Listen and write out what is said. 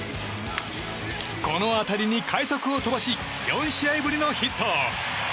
この当たりに快足を飛ばし４試合ぶりのヒット。